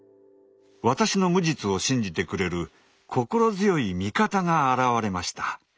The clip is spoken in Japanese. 私の無実を信じてくれる心強い味方が現れました。